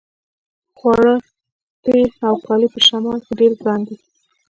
خواړه تیل او کالي په شمال کې ډیر ګران دي